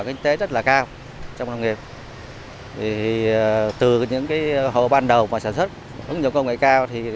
kinh tế rất là cao trong công nghiệp vì từ những cái hộ ban đầu mà sản xuất ứng dụng công nghệ cao thì